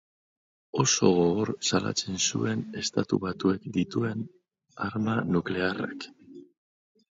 Oso gogor salatzen zuen Estatu Batuek dituen arma nuklearrak.